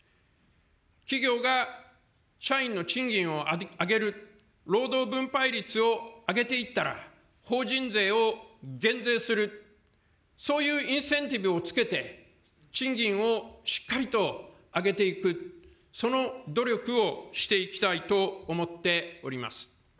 企業が社員の賃金を上げる、労働分配率を上げていったら法人税を減税する、そういうインセンティブをつけて、賃金をしっかりと上げていく、その努力をしていきたいと思っております。